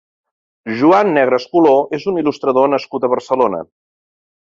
Joan Negrescolor és un il·lustrador nascut a Barcelona.